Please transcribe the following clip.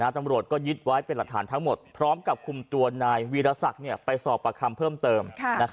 ตำรวจก็ยึดไว้เป็นหลักฐานทั้งหมดพร้อมกับคุมตัวนายวีรศักดิ์ไปสอบประคำเพิ่มเติม